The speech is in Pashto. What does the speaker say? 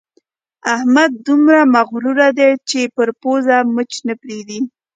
احمد دومره مغروره دی چې پر پزه مچ نه پرېږدي.